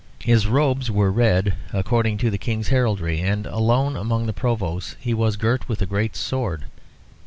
His robes were red, according to the King's heraldry, and, alone among the Provosts, he was girt with a great sword.